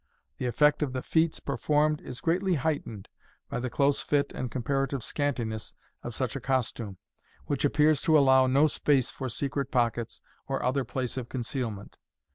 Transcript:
The effect of the feats performed is greatly heightened by the close fit and comparative scantiness of such a costume, which appears to allow no space for secret pockets or other place of concealment.